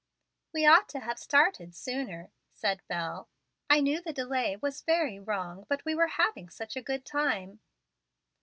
"We ought to have started sooner," said Bel. "I knew the delay was very wrong, but we were having such a good time."